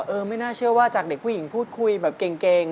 ไม่น่าเชื่อว่าจากเด็กผู้หญิงพูดคุยแบบเก่ง